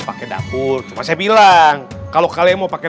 pakai dapur cuma saya bilang kalau kalian mau pakai